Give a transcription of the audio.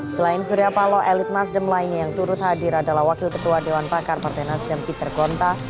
selain surya palo elit nasdem lainnya yang turut hadir adalah wakil ketua dewan pakar partai nasdem peter gonta